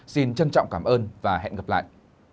xin trân trọng cảm ơn và hẹn gặp lại